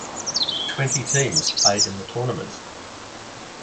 Twenty teams played in the tournament.